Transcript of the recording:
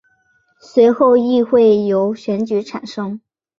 随后议会由选举产生。